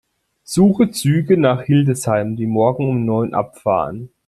Suche Züge nach Hildesheim, die morgen um neun Uhr abfahren.